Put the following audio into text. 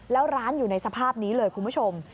แล้วร้านอยู่ในสภาพนี้เลยคุณผู้ชม